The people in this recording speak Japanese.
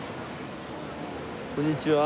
こんにちは。